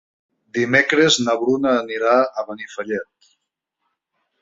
Dimecres na Bruna anirà a Benifallet.